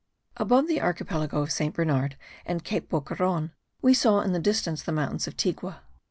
Above the archipelago of Saint Bernard and Cape Boqueron we saw in the distance the mountains of Tigua.